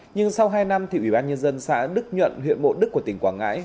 nhưng sau hai năm thì ủy ban nhân dân xã đức nhuận huyện mộ đức của tỉnh quảng ngãi